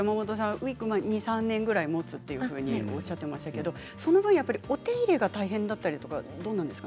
ウイッグ２、３年ぐらいもつというふうにおっしゃっていましたが、その分お手入れが大変だったりどうなんですか？